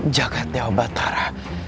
jagad dewa batara